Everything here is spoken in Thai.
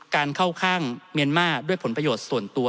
เข้าข้างเมียนมาร์ด้วยผลประโยชน์ส่วนตัว